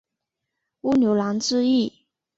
乌牛栏之役。